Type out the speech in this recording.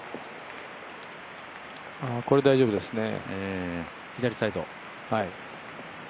これ、大丈夫ですね。